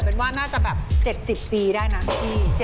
เป็นว่าน่าจะแบบ๗๐ปีได้นะพี่